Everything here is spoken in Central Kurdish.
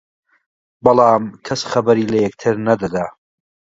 بەڵام کەس خەبەری لە یەکتر نەدەدا